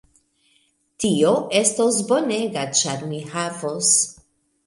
Tio estos bonega ĉar mi havos